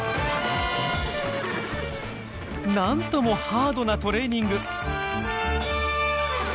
なんともハードなトレーニング。